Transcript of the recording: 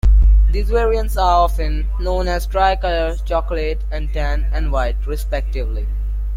These variants are often known as 'Tri-Color', 'Chocolate', and 'Tan and White', respectively.